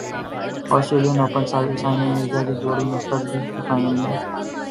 سٹریلین open Sania Mirza کی جوڑی mixed double کے فائنل میں